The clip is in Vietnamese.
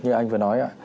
như anh vừa nói